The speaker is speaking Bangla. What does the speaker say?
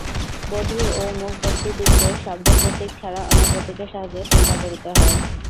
বধির ও মূক ব্যক্তিদিগকে শব্দপ্রতীক ছাড়া অন্য প্রতীকের সাহায্যে চিন্তা করিতে হয়।